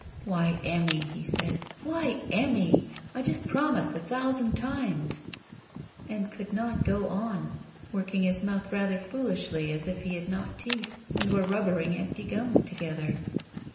"Why, Emmy!" he said. "Why, Emmy! I just promise a thousand times —" and could not go on, working his mouth rather foolishly as if he had not teeth and were rubbing empty gums together.